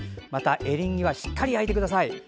また、エリンギはしっかり焼いてください。